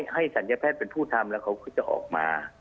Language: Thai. ศัลยแพทย์เป็นผู้ทำแล้วเขาก็จะออกมา